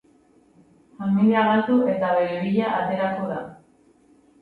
Familia galdu eta bere bila aterako da.